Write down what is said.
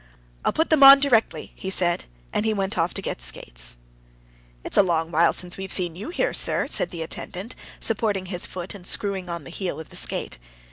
"I'll put them on directly," he said. And he went off to get skates. "It's a long while since we've seen you here, sir," said the attendant, supporting his foot, and screwing on the heel of the skate.